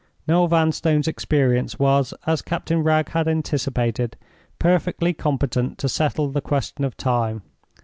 Noel Vanstone's experience was, as Captain Wragge had anticipated, perfectly competent to settle the question of time.